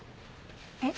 えっ？